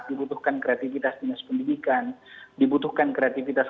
dibutuhkan kreativitas dinas pendidikan dibutuhkan kreativitas